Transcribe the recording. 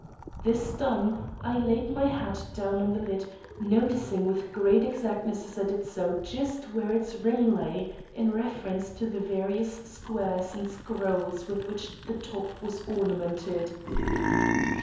This done, I laid my hat down on the lid, noting with great exactness as I did so just where its rim lay in reference to the various squares and scrolls with which the top was ornamented.